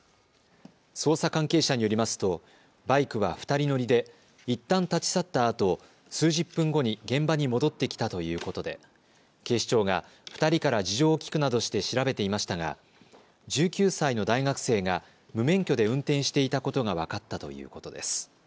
捜査関係者によりますとバイクは２人乗りでいったん立ち去ったあと数十分後に現場に戻ってきたということで警視庁が２人から事情を聴くなどして調べていましたが１９歳の大学生が無免許で運転していたことが分かったということです。